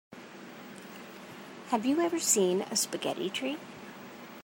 Have you ever seen a spaghetti tree?